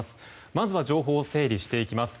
まずは情報を整理していきます。